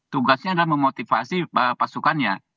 tugasnya adalah memotivasi pasukannya